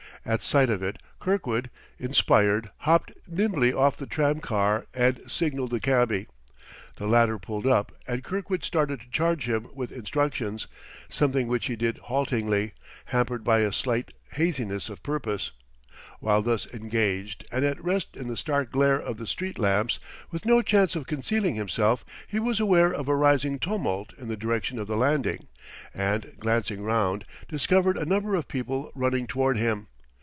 At sight of it Kirkwood, inspired, hopped nimbly off the tram car and signaled the cabby. The latter pulled up and Kirkwood started to charge him with instructions; something which he did haltingly, hampered by a slight haziness of purpose. While thus engaged, and at rest in the stark glare of the street lamps, with no chance of concealing himself, he was aware of a rising tumult in the direction of the landing, and glancing round, discovered a number of people running toward him.